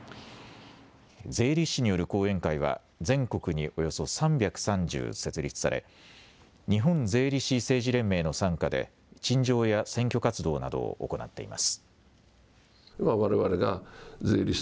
税理士による後援会は全国におよそ３３０設立され日本税理士政治連盟の傘下で陳情や選挙活動などを行っています。